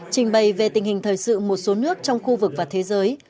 trình bày về tình hình thời sự một số nước trong khu vực và thế giới